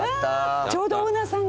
ちょうどオーナーさんが。